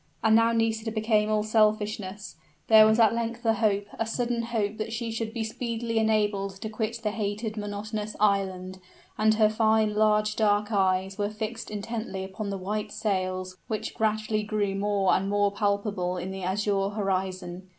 And now Nisida became all selfishness; there was at length a hope, a sudden hope that she should be speedily enabled to quit the hated monotonous island, and her fine, large dark eyes were fixed intently upon the white sails which gradually grew more and more palpable in the azure horizon.